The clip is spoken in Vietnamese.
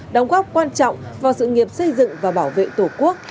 đóng góp quan trọng vào sự nghiệp xây dựng và bảo vệ tổ quốc